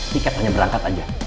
tiket hanya berangkat aja